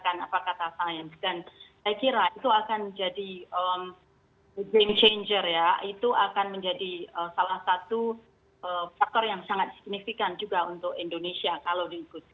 itu akan menjadi salah satu faktor yang sangat signifikan juga untuk indonesia kalau diikut